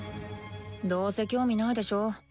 どうせ興味ないでしょ。